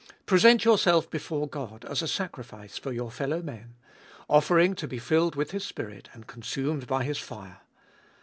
Present yourself before God as a sacrifice for your fellowmen, offering to be filled with His Spirit and consumed by His fire.